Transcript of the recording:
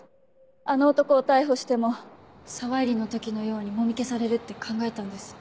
あの男を逮捕しても沢入の時のようにもみ消されるって考えたんです。